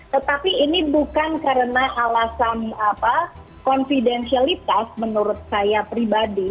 tetapi ini bukan karena alasan confidensialitas menurut saya pribadi